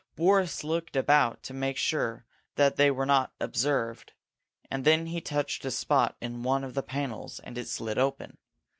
Boris looked about to make sure that they were not observed, then he touched a spot in one of the panels, and it slid open.